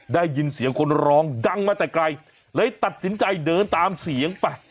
ได้ยินเสียงคนร้องดังมาแต่ไกลเลยตัดสินใจเดินตามเสียงไป